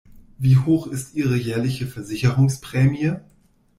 Wie hoch ist ihre jährliche Versicherungsprämie?